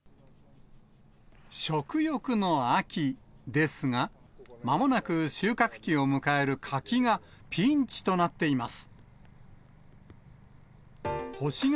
食欲の秋ですが、まもなく収穫期を迎える柿がピンチとなっています。